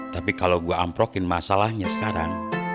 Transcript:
tapi kalau gue amprokin masalahnya sekarang